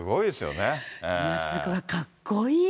すごい、かっこいい。